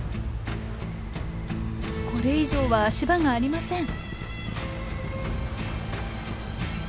これ以上は足場がありません。